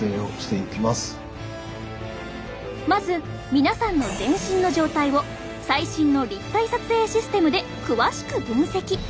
まず皆さんの全身の状態を最新の立体撮影システムで詳しく分析。